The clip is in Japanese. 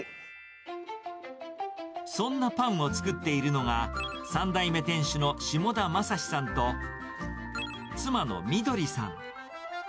そんなパンを作っているのが、３代目店主の下田将司さんと、妻のみどりさん。